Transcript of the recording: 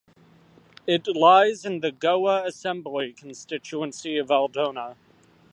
It lies in the Goa Assembly constituency of Aldona.